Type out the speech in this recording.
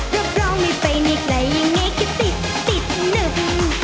รับรองไม่ไปในไกลยังไงก็ติดติดหนึบ